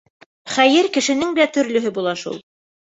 Хәйер, кешенең дә төрлөһө була шул.